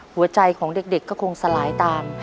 หัวใจของเด็กก็คงสลายตาม